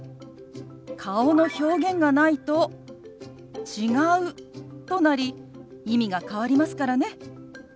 顔の表現がないと「違う」となり意味が変わりますからね。